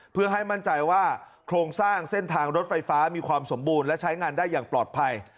เพื่อให้มั่นใจว่าโครงสร้างเส้นทางรถไฟฟ้ามีความสมบูรณ์และใช้งานได้อย่างปลอดภัย